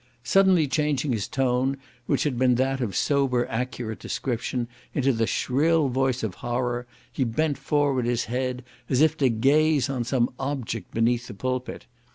Suddenly changing his tone, which had been that of sober accurate description, into the shrill voice of horror, he bent forward his head, as if to gaze on some object beneath the pulpit.